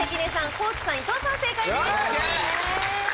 高地さん、伊藤さん正解です。